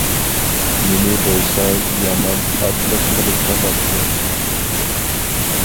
مېنى بولسا يامان ئاتلىق قىلىپ چاقاتتى.